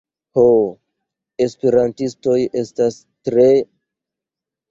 ho, esperantistoj estas tre...